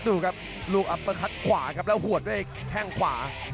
ดูครับลูกอัปเตอร์คัดขวาครับแล้วหัวด้วยแข้งขวา